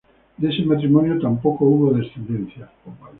De ese matrimonio, tampoco hubo descendencia.